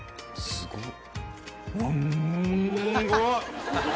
すごい。